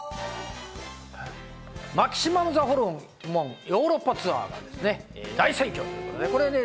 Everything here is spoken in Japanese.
マキシマムザホルモン、ヨーロッパツアー大盛況ということで。